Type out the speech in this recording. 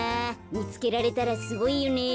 みつけられたらすごいよねえ。